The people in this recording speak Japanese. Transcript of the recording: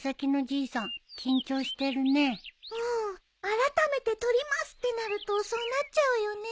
あらためて撮りますってなるとそうなっちゃうよね。